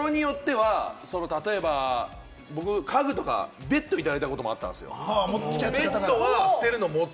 物によっては例えば僕、家具とか、ベッドをいただいたことあるんですよ。